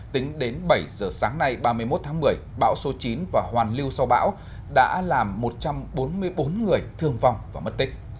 tính đến bảy giờ sáng nay ba mươi một tháng một mươi bão số chín và hoàn lưu sau bão đã làm một trăm bốn mươi bốn người thương vong và mất tích